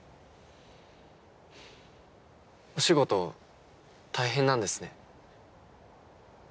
お仕事大変なんですね？